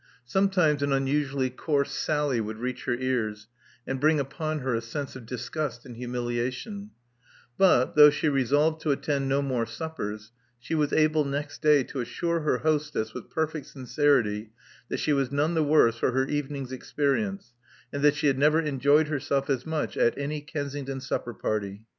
Sometimes an unusually coarse sally would reach her ears, and bring upon her a sense of disgust and humiliation; but, though she resolved to attend no more suppers, she was able next day to assure her hostess with perfect sincerity that she was none the worse for her evening's experience, and that she had never enjoyed herself as much at any Kensington supper party.